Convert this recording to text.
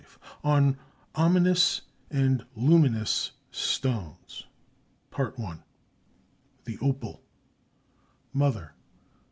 V On Ominous and Luminous Stones THE OPAL _Mother.